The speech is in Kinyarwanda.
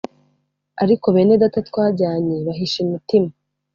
ariko bene data twajyanye bahisha imitima